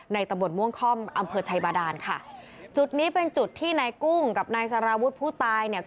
ตะบนม่วงค่อมอำเภอชัยบาดานค่ะจุดนี้เป็นจุดที่นายกุ้งกับนายสารวุฒิผู้ตายเนี่ย